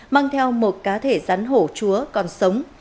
mang theo một cá thể rắn hổ chúa còn sống